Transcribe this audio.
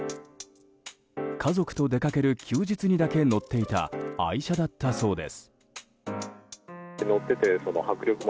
家族と出かける休日にだけ乗っていた愛車だったそうです。